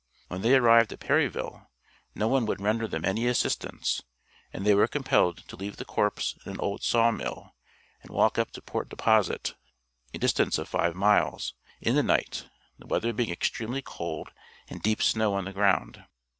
When they arrived at Perryville no one would render them any assistance, and they were compelled to leave the corpse in an old saw mill, and walk up to Port Deposit, a distance of five miles, in the night, the weather being extremely cold, and a deep snow on the ground.